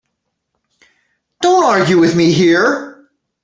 Don't argue with me here.